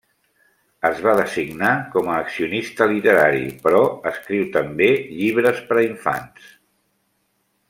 Es va designar com a accionista literari, però escriu també llibres per a infants.